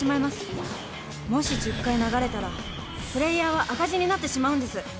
もし１０回流れたらプレーヤーは赤字になってしまうんです。